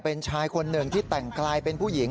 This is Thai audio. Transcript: เป็นชายคนหนึ่งที่แต่งกลายเป็นผู้หญิง